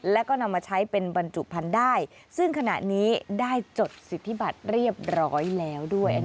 แล้วก็นำมาใช้เป็นบรรจุพันธุ์ได้ซึ่งขณะนี้ได้จดสิทธิบัตรเรียบร้อยแล้วด้วย